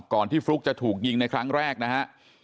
ก่อนที่ฟลุ๊กจะถูกยิงในครั้งแรกนะฮะ